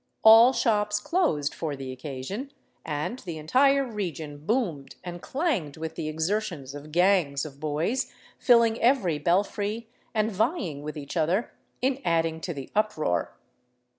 All shops closed for the occasion, and the entire region boomed and clanged with the exertions of gangs of boys filling every belfry and vying with each other in adding to the uproar.